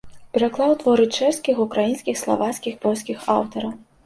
Пераклаў творы чэшскіх, украінскіх, славацкіх, польскіх аўтараў.